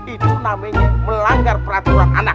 itu namanya melanggar peraturan anak